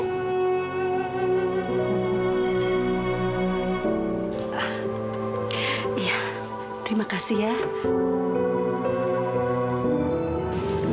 iya terima kasih ya